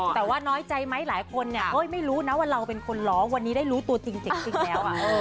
แต่ว่าน้อยใจไหมหลายคนเนี่ยไม่รู้นะว่าเราเป็นคนร้องวันนี้ได้รู้ตัวจริงแล้ว